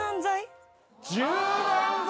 柔軟剤。